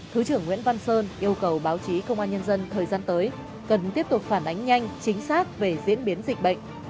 thứ trưởng nguyễn văn sơn yêu cầu báo chí công an nhân dân thời gian tới cần tiếp tục phản ánh nhanh chính xác về diễn biến dịch bệnh